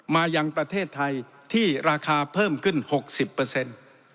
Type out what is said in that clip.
มายังประเทศไทยที่ราคาเพิ่มขึ้น๖๐